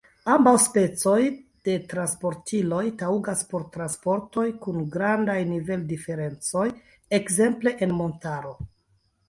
Ambaŭ specoj de transportiloj taŭgas por transportoj kun grandaj nivel-diferencoj, ekzemple en montaro.